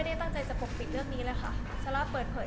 คำถามหนึ่งที่หลายคนสงสัย